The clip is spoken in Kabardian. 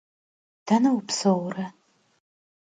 Dene vupseure?